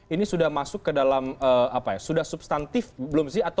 ini sudah masuk ke dalam apa ya sudah substantif belum sih